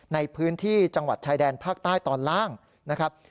ในพื้นที่จังหวัดชายแดนภาคใต้ตอนล่างนะครับ